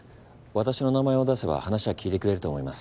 私の名前を出せば話は聞いてくれると思います